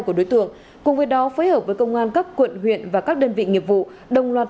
của đối tượng cùng với đó phối hợp với công an các quận huyện và các đơn vị nghiệp vụ đồng loạt